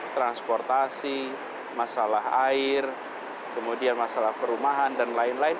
transportasi masalah air kemudian masalah perumahan dan lain lain